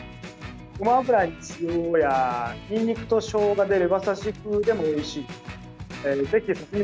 ごま油に塩やにんにくとしょうがでレバ刺し風でもおいしいですね。